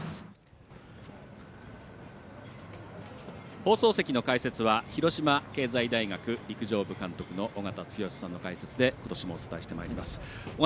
放送席の解説は広島経済大学陸上部監督の尾方剛さんの解説でことしもお伝えしてまいります。